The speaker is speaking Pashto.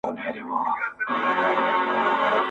ما به کیسه درته کول، راڅخه ورانه سوله،